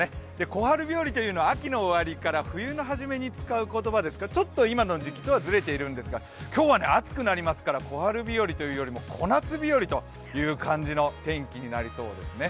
小春日和というのは秋の終わりから冬のはじめに使う言葉ですからちょっと今の時期とはずれているんですが、今日は暑くなりますから小春日和というよりも小夏日和という感じの天気になりそうですね。